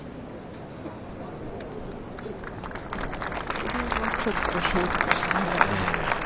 これは、ちょっとショートでしたね。